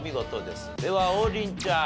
では王林ちゃん。